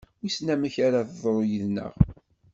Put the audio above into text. Wissen amek teḍru yid-neɣ?